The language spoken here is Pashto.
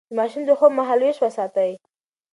د ماشوم د خوب مهالويش وساتئ.